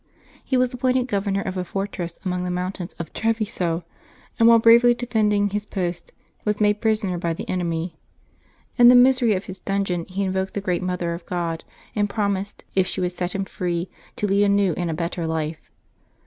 He was appointed governor of a fortress among the mountains of Treviso, and whilst bravely defending his post, was made prisoner by the en emy. In the misery of his dungeon he invoked the great Mother of God, and promised, if she would set him free, to lead a new and a better life.